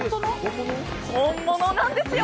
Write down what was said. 本物なんですよ。